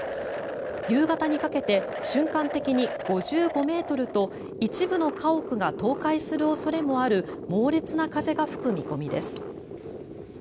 夕方にかけて瞬間的に５５ｍと一部の家屋が倒壊する恐れもある猛烈な風が吹く見込みです。